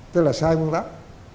tức là sai quan tác